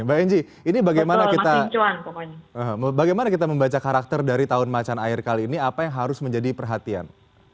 mbak enge ini bagaimana kita membaca karakter dari tahun macan air kali ini apa yang harus menjadi perhatian